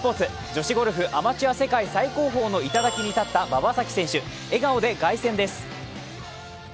女子ゴルフアマチュア世界最高峰の頂に立った馬場咲希選手、笑顔で凱旋です。